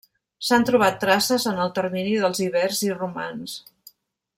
S'han trobat traces en el termini dels ibers i romans.